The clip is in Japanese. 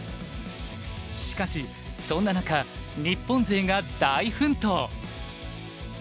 しかしそんな中日本勢が大奮闘。